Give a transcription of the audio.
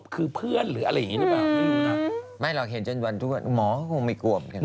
คือเพื่อนหรืออะไรแบบนี้